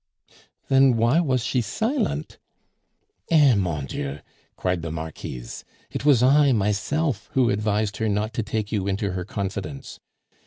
"Then why was she silent?" "Eh! mon Dieu!" cried the Marquise, "it was I myself who advised her not to take you into her confidence.